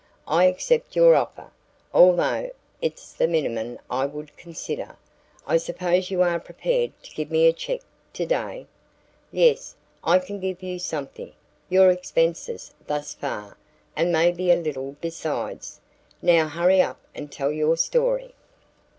"I accept your offer, although it's the minimum I would consider. I suppose you are prepared to give me a check today?" "Yes, I can give you something your expenses thus far and maybe a little besides. Now hurry up and tell your story."